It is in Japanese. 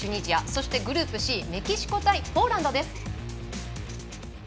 そして、グループＣメキシコ対ポーランドです。